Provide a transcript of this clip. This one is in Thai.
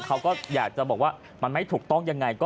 เขาก็อยากจะบอกว่ามันไม่ถูกต้องยังไง